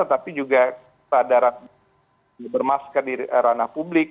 tapi juga kesadaran bermasker di ranah publik